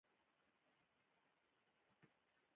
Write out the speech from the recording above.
کوم چې نه غواړئ ووینئ دا ممکنه ده.